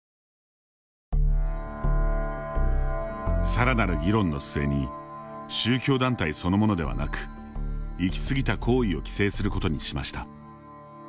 さらなる議論の末に宗教団体そのものではなく行き過ぎた行為を規制することにしました。